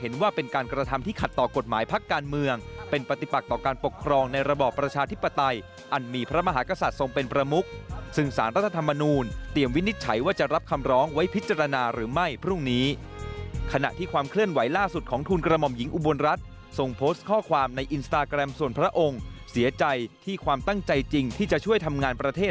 ในระบอประชาธิปไตยอันมีพระมหากษัตริย์ทรงเป็นประมุกซึ่งสารรัฐธรรมนูญเตรียมวินิจฉัยว่าจะรับคำร้องไว้พิจารณาหรือไม่พรุ่งนี้ขณะที่ความเคลื่อนไหวล่าสุดของทุนกรมมหญิงอุบวนรัฐส่งโพสต์ข้อความในอินสตาแกรมส่วนพระองค์เสียใจที่ความตั้งใจจริงที่จะช่วยทำงานประเท